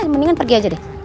mendingan pergi aja deh